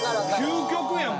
究極やん！